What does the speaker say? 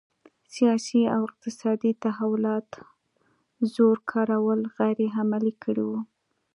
سیاسي او اقتصادي تحولات زور کارول غیر عملي کړي وو.